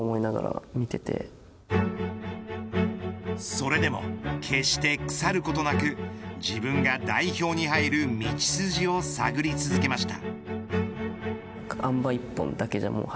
それでも決して腐ることなく自分が代表に入る道筋を探り続けました。